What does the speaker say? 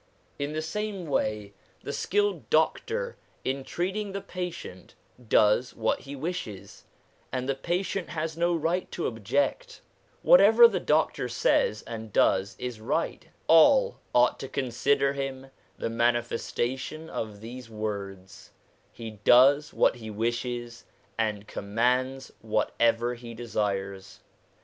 In the same way, the skilled doctor in treating the patient ' does what he wishes,' and the patient has no right to object ; what ever the doctor says and does is right; all ought to consider him the manifestation of these words, ' He does what he wishes, and commands whatever he desires.'